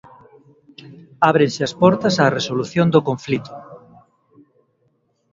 Ábrense as portas á resolución do conflito.